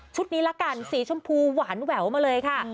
นี้ละกันสีชมพูหวานแหววมาเลยค่ะ